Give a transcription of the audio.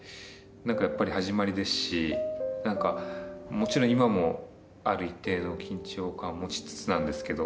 やっぱり始まりですしもちろん今もある一定の緊張感持ちつつなんですけど。